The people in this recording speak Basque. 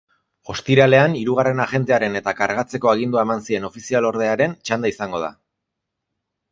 Ostiralean, hirugarren agentearen eta kargatzeko agindua eman zien ofizialordearen txanda izango da.